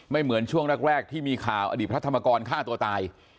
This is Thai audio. เหมือนช่วงแรกที่มีข่าวอดีตพระธรรมกรฆ่าตัวตาย